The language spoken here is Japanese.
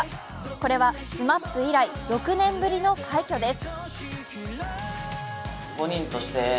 これはＳＭＡＰ以来６年ぶりの快挙です